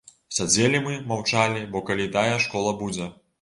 Сядзелі мы, маўчалі, бо калі тая школа будзе.